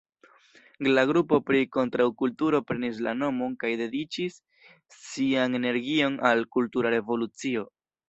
La grupo pri kontraŭkulturo prenis la nomon kaj dediĉis sian energion al "kultura revolucio".